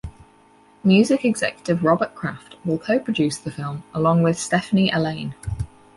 Music executive Robert Kraft will co-produce the film along with Stephanie Allain.